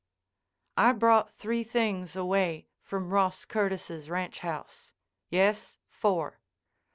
I brought three things away from Ross Curtis's ranch house—yes, four.